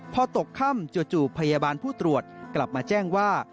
พอตกค่ำจู่พยาบาลผู้ตรวจกลับมาแจ้งว่า